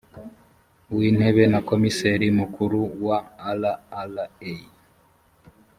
w intebe na komiseri mukuru wa rra